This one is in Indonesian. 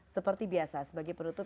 seperti biasa sebagai penutup